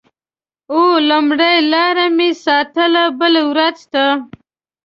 اوه…لومړۍ لاره مې ساتلې بلې ورځ ته